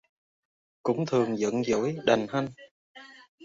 Cũng thường giận dỗi đành hanh